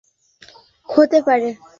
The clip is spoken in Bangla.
এবং আজ রাতেই হতে পারে।